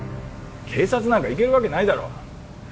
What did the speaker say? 警察なんか行けるわけないだろう